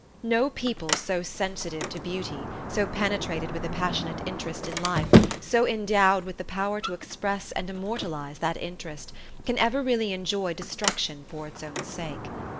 No people so sensitive to beauty, so penetrated with a passionate interest in life, so endowed with the power to express and immortalize that interest, can ever really enjoy destruction for its own sake.